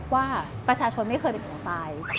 ว่าประชาชนไม่เคยเป็นคนตาย